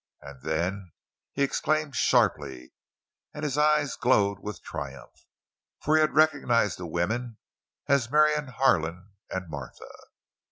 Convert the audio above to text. And then he exclaimed sharply, and his eyes glowed with triumph—for he had recognized the women as Marion Harlan and Martha.